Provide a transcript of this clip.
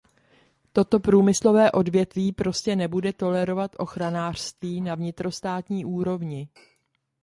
Toto průmyslové odvětví prostě nebude tolerovat ochranářství na vnitrostátní úrovni.